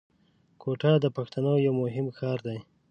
کوټه د پښتنو یو مهم ښار دی